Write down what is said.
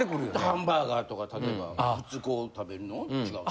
ハンバーガーとか例えば普通こう食べるのと違うの？